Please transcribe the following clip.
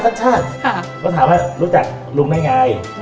ก็ถามว่ารู้จักลุงได้ไง